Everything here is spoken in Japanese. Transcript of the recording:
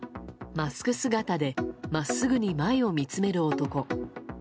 マスク姿で真っすぐに前を見つめる男。